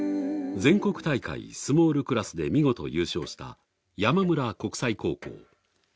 全国大会スモールクラスで見事優勝した山村国際高校。